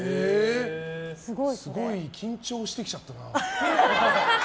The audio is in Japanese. すごい緊張してきちゃったな。